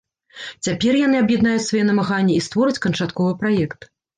Цяпер яны аб'яднаюць свае намаганні і створаць канчатковы праект.